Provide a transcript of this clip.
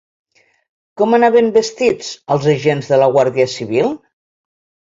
Com anaven vestits els agents de la Guàrdia Civil?